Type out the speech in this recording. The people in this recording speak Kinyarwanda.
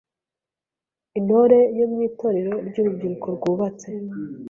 Intore yo mu Itorero ry’urubyiruko rwubatse